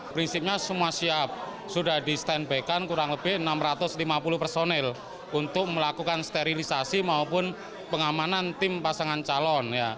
prinsipnya semua siap sudah di stand by kan kurang lebih enam ratus lima puluh personil untuk melakukan sterilisasi maupun pengamanan tim pasangan calon